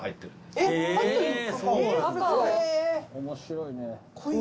面白いね。